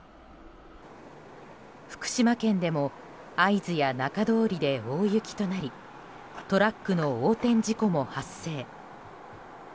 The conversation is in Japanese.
福島県でも会津や中通りで大雪となりトラックの横転事故も発生。